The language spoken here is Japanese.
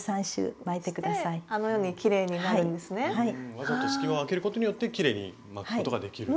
わざと隙間を空けることによってきれいに巻くことができると。